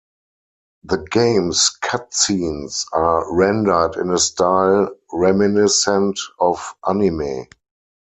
The game's cutscenes are rendered in a style reminiscent of anime.